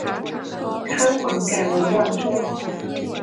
开皇改为万州。